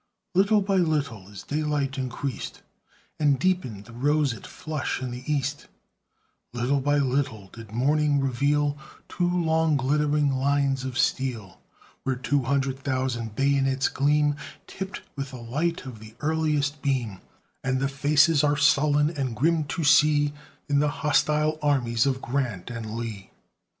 Little by little, as daylight increased, And deepened the roseate flush in the East Little by little did morning reveal Two long glittering lines of steel; Where two hundred thousand bayonets gleam, Tipped with the light of the earliest beam, And the faces are sullen and grim to see In the hostile armies of Grant and Lee.